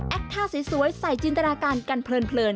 ท่าสวยใส่จินตนาการกันเพลิน